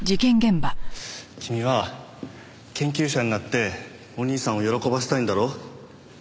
君は研究者になってお兄さんを喜ばせたいんだろ？